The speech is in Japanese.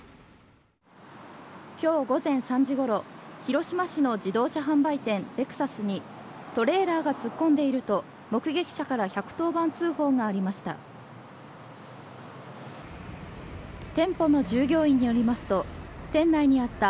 今日午前３時ごろ広島市の自動車販売店レクサスにトレーラーが突っ込んでいると目撃者から１１０番通報がありました。